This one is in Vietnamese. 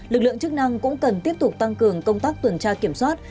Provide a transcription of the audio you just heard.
lực lượng chức năng cũng cần tiếp tục tăng cường công tác tuần tra kiểm soát